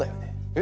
え？